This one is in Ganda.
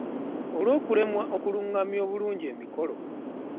Olw'okulemwa okulungamya obulungi emikolo.